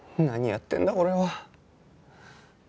何やってんだ俺は。